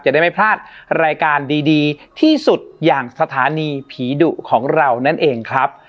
ได้ไม่พลาดรายการดีที่สุดอย่างสถานีผีดุของเรานั่นเองครับ